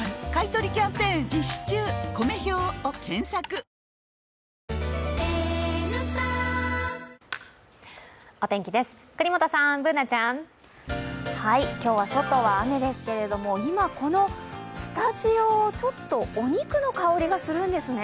三井不動産お天気です、國本さん、Ｂｏｏｎａちゃん。今日は外は雨ですけれど今、このスタジオちょっとお肉の香りがするんですね。